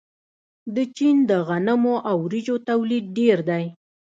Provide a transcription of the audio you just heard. د چین د غنمو او وریجو تولید ډیر دی.